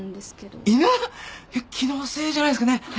いや気のせいじゃないですかね。